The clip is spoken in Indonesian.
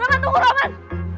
roman tunggu roman